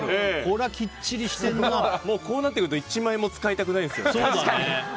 こうなってくると１枚も使いたくないんですよね。